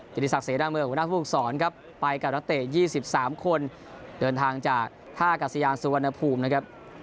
เจนีสักเสด้าเมืองหัวหน้าภูกษรครับไปกับนักเตะยี่สิบสามคนเดินทางจากท่ากัสยานสุวรรณภูมินะครับ